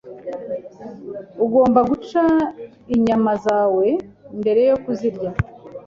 Ugomba guca inyama zawe mbere yo kuzirya.